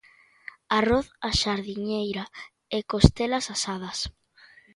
Arroz á xardineira e costelas asadas.